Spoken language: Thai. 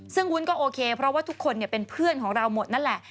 ซึ่งวุ้นก็โอเคเพราะว่าทุกคนเป็นเพื่อนของเราหมดนั่นแหละ